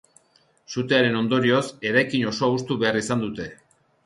Sutearen ondorioz, eraikin osoa hustu behar izan dute.